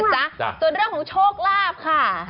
ส่วนเรื่องของโชคลาภค่ะ